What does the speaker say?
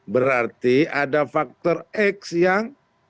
berarti ada faktor x yang